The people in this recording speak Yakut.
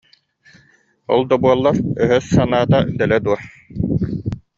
Ол да буоллар, өһөс санаата дэлэ дуо